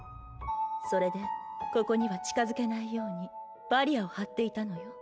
それでここには近づけないようにバリアを張っていたのよ。